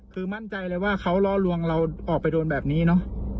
คือมั่นใจเลยว่าเขาล่อลวงเราออกไปโดนแบบนี้เนอะ